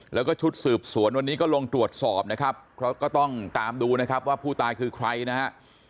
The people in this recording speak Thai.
แล้วก็ชุดสืบสวนวันนี้ก็ลงตรวจสอบนะครับเพราะก็ต้องตามดูนะครับว่าผู้ตายคือใครนะฮะ